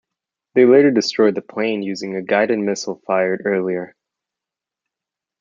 They later destroy the plane using a guided missile fired earlier.